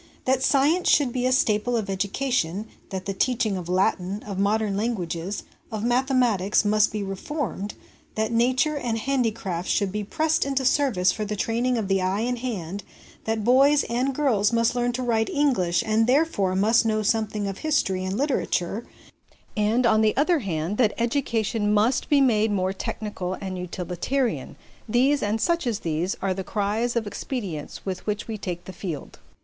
That science should be a staple of education, that the teaching of Latin, of modern languages, ot mathematics, must be reformed, that nature and handicrafts should be pressed into service for the training of the eye and hand, that boys and girls must learn to write English and therefore must know something of history and literature ; and, on the other hand, that education must be made more technical and utilitarian these, and such as these, are the cries of expedience with which we take the field.